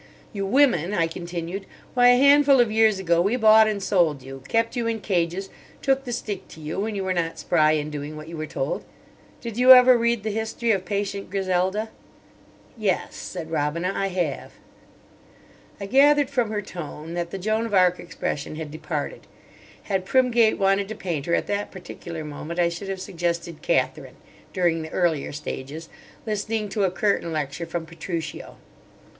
"You women," I continued; "why, a handful of years ago we bought and sold you, kept you in cages, took the stick to you when you were not spry in doing what you were told. Did you ever read the history of Patient Griselda?" "Yes," said Robina, "I have." I gathered from her tone that the Joan of Arc expression had departed. Had Primgate wanted to paint her at that particular moment I should have suggested Katherine—during the earlier stages—listening to a curtain lecture from Petruchio.